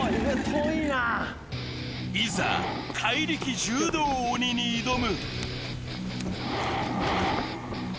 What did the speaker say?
いざ、怪力柔道鬼に挑む。